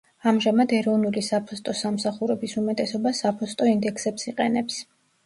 ამჟამად ეროვნული საფოსტო სამსახურების უმეტესობა საფოსტო ინდექსებს იყენებს.